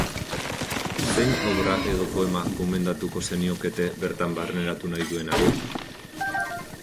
Zein obra edo poema gomendatuko zeniokete bertan barneratu nahi duenari?